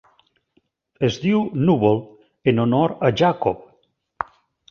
Es diu Núvol en honor a Jacob.